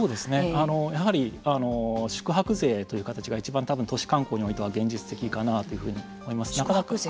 やはり宿泊税という形がいちばん多分都市観光においては現実的かなと思います。